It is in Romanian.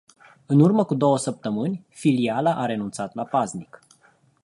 În urmă cu două săptămâni, filiala a renunțat la paznic.